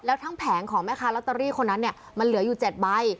แล้วทั้งแผงของแม่ค้าลอตเตอรี่คนนั้นเนี่ยมันเหลืออยู่๗ใบ